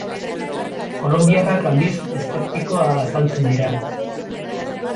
Kolonbiarrak, aldiz, eszeptiko azaltzen dira.